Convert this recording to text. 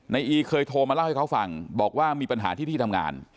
อีเคยโทรมาเล่าให้เขาฟังบอกว่ามีปัญหาที่ที่ทำงาน